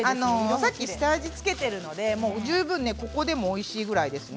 さっき下味を付けているので十分ここでもおいしいくらいですね。